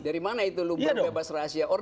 dari mana itu lu berbebas rahasia